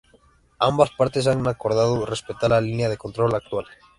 Ambas partes han acordado respetar la línea de control actual.